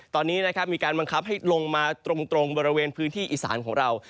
ตอนนี้นะครับมีการบังคับให้ลงมาตรงบริเวณพื้นที่อีสานของเรา